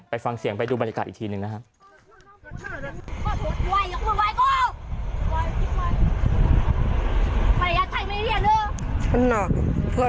ฟังเสียงไปดูบรรยากาศอีกทีหนึ่งนะครับ